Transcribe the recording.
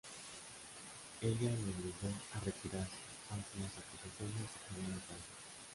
Ello le obligó a retirarse, aunque las acusaciones se probaron falsas.